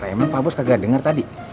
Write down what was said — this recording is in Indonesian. emang pak bos kagak denger tadi